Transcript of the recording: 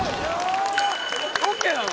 ＯＫなの？